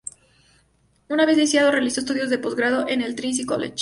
Una vez licenciado, realizó estudios de posgrado en el Trinity College.